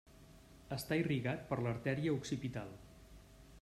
Està irrigat per l'artèria occipital.